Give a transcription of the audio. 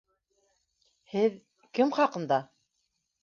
Һеҙ... кем хаҡында?